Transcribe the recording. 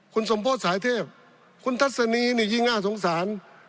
คุณสมโพธิสายเทพคุณทัศนีนี่ยิ่งน่าสงสาร